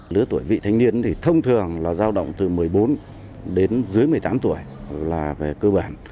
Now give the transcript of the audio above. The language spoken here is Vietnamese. lứa tuổi vị thanh niên thì thông thường là giao động từ một mươi bốn đến dưới một mươi tám tuổi là về cơ bản